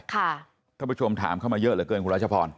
ท่านผู้ชมถามเข้ามาเยอะเหลือเกินคุณรัชพร